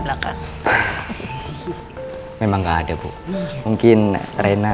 malah api learn begin with aca